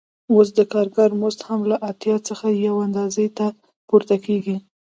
اوس د کارګر مزد هم له اتیا څخه یوې اندازې ته پورته کېږي